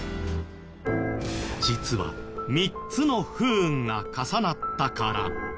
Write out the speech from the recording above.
実は３つの不運が重なったから。